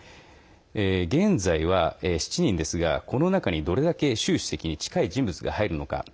現在は７人ですがこの中にどれだけ習主席に近い人物が入るのか。